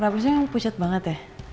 rapsnya yang pucat banget